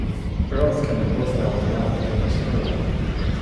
Roads can be hostile to one, can destroy one.